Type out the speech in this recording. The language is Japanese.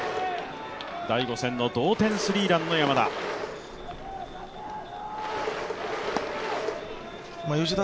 第５戦の同点スリーランの山田。